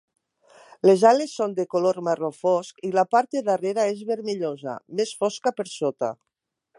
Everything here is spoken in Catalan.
Les ales són de color marró fosc i la part de darrera és vermellosa, més fosca per sota.